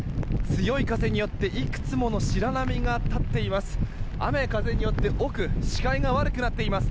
強い風によっていくつもの白波が立っています。